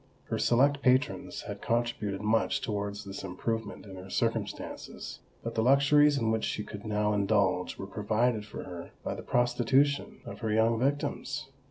Her select patrons had contributed much towards this improvement in her circumstances; but the luxuries in which she could now indulge, were provided for her by the prostitution of her young victims.